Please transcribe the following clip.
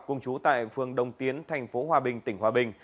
cùng chú tại phường đồng tiến thành phố hòa bình tỉnh hòa bình